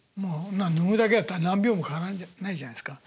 脱ぐだけやったら何秒もかからないじゃないですか。